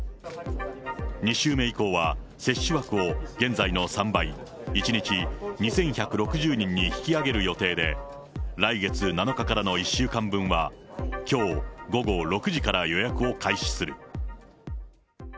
２週目以降は接種枠を現在の３倍、１日２１６０人に引き上げる予定で、来月７日からの１週間分は、きょう午後６時から予約を開始する。